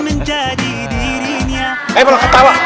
eh mau ketawa